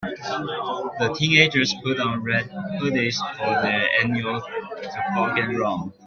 The teenagers put on red hoodies for their annual toboggan run.